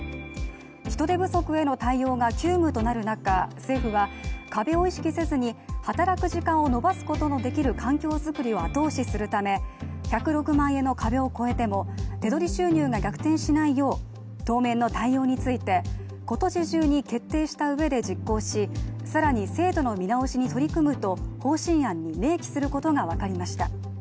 人手不足への対応が急務となる中、政府は、壁を意識せずに働く時間を伸ばすことができることを後押しするため、１０６万円の壁を超えても手取り収入が逆転しないよう当面の対応について今年中に決定したうえで実行し更に制度の見直しに取り組むと方針案に明記することが分かりました。